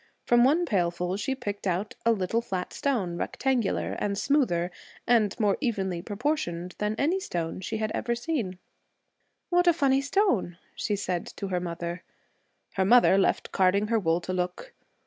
From one pailful she picked out a little flat stone, rectangular and smoother and more evenly proportioned than any stone she had ever seen. 'What a funny stone!' she said to her mother. Her mother left carding her wool to look.